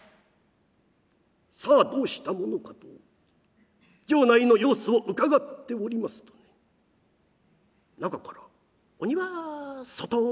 さあどうしたものかと城内の様子をうかがっておりますと中から「鬼は外」。